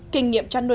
kinh nghiệm chăn nuôi